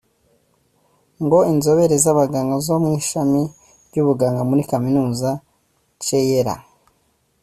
ngo inzobere z’abaganga zo mu ishami ry’ubuganga muri kaminuza ya Ceara